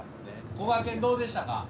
こがけんどうでしたか？